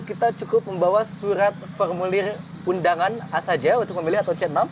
kita cukup membawa surat formulir undangan a saja untuk memilih atau c enam